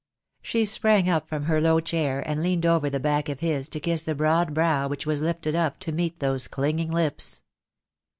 She sprang up from her low chair, and leaned over the back of his to kiss the broad brow which was lifted up to meet those clinging lips.